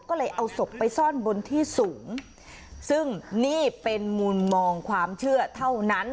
ก็เลยเอาศพไปซ่อนบนที่สูงซึ่งนี่เป็นมุมมองความเชื่อเท่านั้น